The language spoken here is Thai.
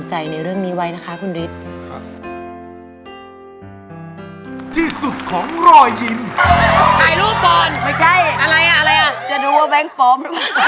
จะดูว่าแม่งปลอม